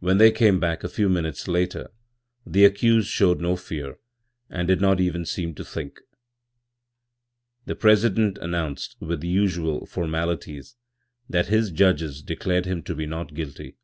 When they came back a few minutes later the accused showed no fear and did not even seem to think. The president announced with the usual formalities that his judges declared him More Stories by Guy de Maupassant to be not guilty.